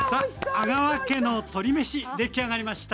「阿川家の鶏めし」出来上がりました。